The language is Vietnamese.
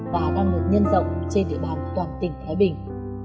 và năng lực nhân rộng trên địa bàn toàn tỉnh thái bình